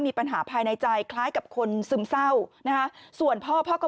มีปัญหาภายในใจคล้ายกับคนซึมเศร้านะคะส่วนพ่อพ่อก็